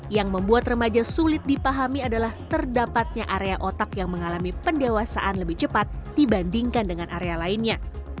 yang membuat remaja sulit dipahami adalah terdapatnya area otak yang mengalami pendewasaan lebih cepat dibandingkan dengan area lainnya